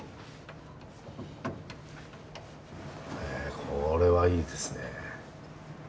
えこれはいいですね。